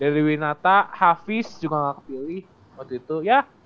daryl winata hafiz juga nggak kepilih waktu itu ya